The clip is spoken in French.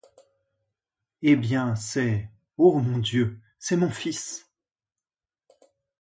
Eh bien ! c’est… ô mon Dieu !… c’est mon fils !